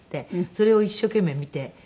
それを一生懸命見て。